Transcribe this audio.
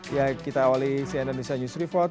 ya kita awali cnn indonesia news report